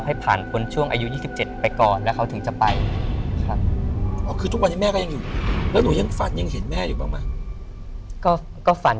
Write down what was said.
ให้ผ่านช่วงอายุ๒๗ไปก่อน